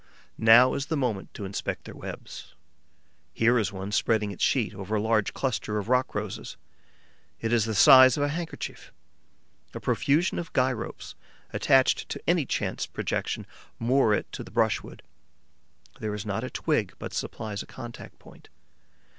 Now is the moment to inspect the webs. Here is one spreading its sheet over a large cluster of rock roses; it is the size of a handkerchief. A profusion of guy ropes, attached to any chance projection, moor it to the brushwood. There is not a twig but supplies a contact point.